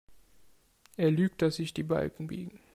Er lügt, dass sich die Balken biegen.